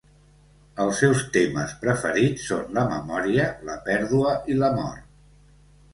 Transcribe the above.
Els seus temes preferits són la memòria, la pèrdua i la mort.